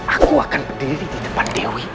aku akan berdiri di depan dewi